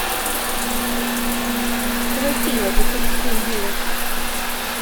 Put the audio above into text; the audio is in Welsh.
Rwyt ti wedi cysgu'n hir.